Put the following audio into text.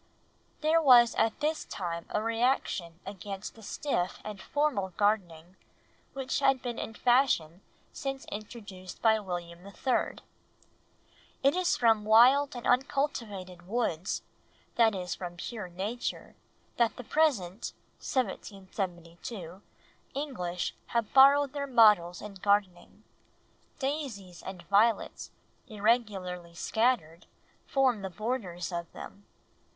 There was at this time a reaction against the stiff and formal gardening which had been in fashion since introduced by William III. "It is from wild and uncultivated woods, that is from pure nature, that the present (1772) English have borrowed their models in gardening ... daisies and violets irregularly scattered form the borders of them.